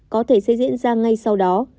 có thể sẽ diễn ra ngay sau đó